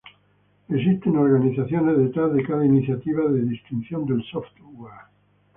Existen organizaciones detrás de cada iniciativa de distinción del "software".